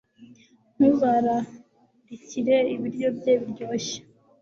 Ntuzararikire ibiryo bye biryoshye